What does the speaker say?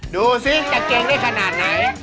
ดูสิจะเก่งได้ขนาดไหน